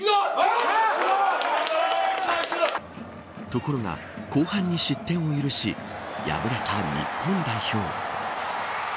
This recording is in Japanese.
ところが後半に失点を許し敗れた日本代表。